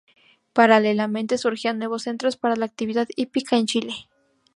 Paralelamente, surgían nuevos centros para la actividad hípica en Chile.